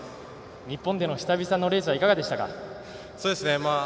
日本での久々のレースはいかがでしたか。